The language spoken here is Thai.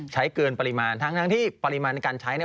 ใช้เกินปริมาณทั้งที่ปริมาณการใช้